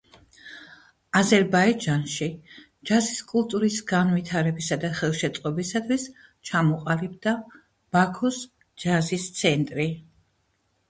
აზერბაიჯანში ჯაზის კულტურის განვითარებისა და ხელშეწყობისთვის ჩამოყალიბდა ბაქოს ჯაზის ცენტრი.